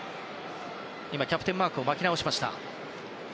キャプテンマークを巻き直しました。